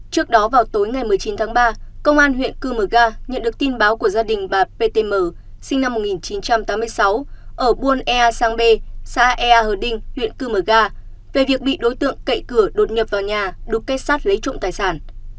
trước đó vào tối ngày một mươi chín tháng ba công an huyện cư mờ ga nhận được tin báo của gia đình bà ptm sinh năm một nghìn chín trăm tám mươi sáu ở buôn ea sang bê xã ea hờ đinh huyện cư mờ ga về việc bị đối tượng cậy cửa đột nhập vào nhà đục kết sát lấy trộm tài sản